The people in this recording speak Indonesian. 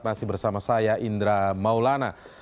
masih bersama saya indra maulana